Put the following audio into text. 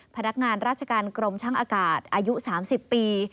พนักงานราชการกรมช่างอากาศอายุ๓๐ปี